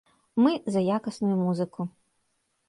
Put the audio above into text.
Мы за якасную музыку.